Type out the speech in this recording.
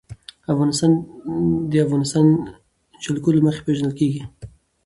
افغانستان د د افغانستان جلکو له مخې پېژندل کېږي.